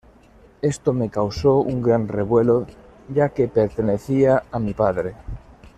Esto me causó un gran revuelo ya que pertenecía a mi padre.